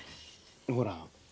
ほら。